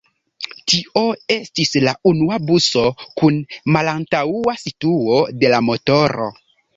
Tio estis la unua buso kun malantaŭa situo de la motoro.